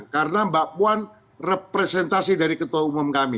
karena mbak puan representasi dari ketua umum kami